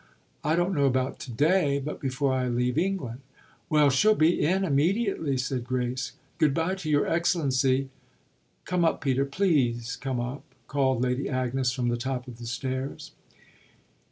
"I don't know about to day, but before I leave England." "Well, she'll be in immediately," said Grace. "Good bye to your excellency." "Come up, Peter please come up," called Lady Agnes from the top of the stairs.